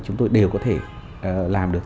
chúng tôi đều có thể làm được